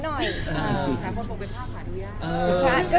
ก็ตั้งแต่ที่ที่มีเรื่องกัน